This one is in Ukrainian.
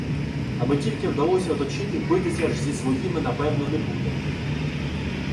Аби тільки вдалося оточити — битися ж зі "своїми" напевно не буде.